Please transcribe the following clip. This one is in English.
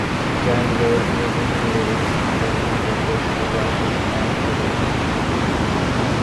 Jan wrote music and lyrics and performed vocals, guitar and keyboards.